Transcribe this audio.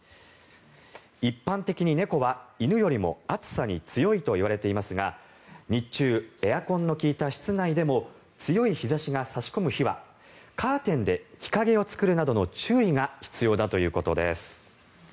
一般的に猫は犬よりも暑さに強いと言われていますが日中、エアコンの利いた室内でも強い日差しが差し込む日はカーテンで日陰を作るなどの注意が必要だということです。